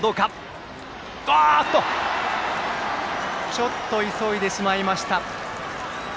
ちょっと急いでしまいました。